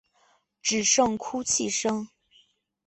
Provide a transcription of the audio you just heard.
只剩哭泣声